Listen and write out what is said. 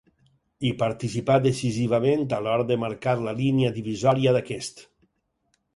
I participà decisivament a l'hora de marcar la línia divisòria d'aquest.